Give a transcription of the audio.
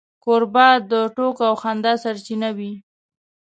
کوربه د ټوکو او خندا سرچینه وي.